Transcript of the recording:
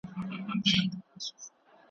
یو د بل خوښي یې غم وي یو د بل په غم خوښیږي ,